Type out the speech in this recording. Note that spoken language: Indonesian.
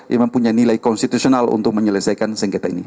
yang mempunyai nilai konstitusional untuk menyelesaikan sengketa ini